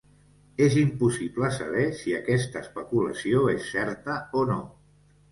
És impossible saber si aquesta especulació és certa o no.